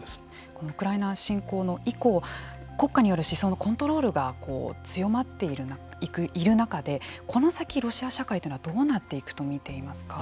このウクライナ侵攻以降国家による思想のコントロールが強まっている中でこの先ロシア社会というのはどうなっていくと見ていますか？